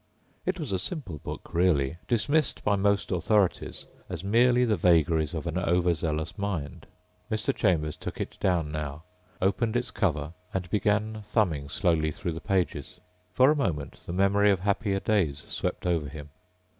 It was a simple book, really, dismissed by most authorities as merely the vagaries of an over zealous mind. Mr. Chambers took it down now, opened its cover and began thumbing slowly through the pages. For a moment the memory of happier days swept over him.